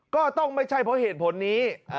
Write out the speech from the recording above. ก็ต้องไม่ใช่เพราะเหตุผลนี้